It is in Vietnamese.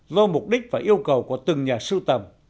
do mục đích và yêu cầu của từng nhà sưu tầm